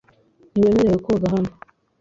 Ntiwemerewe koga hano .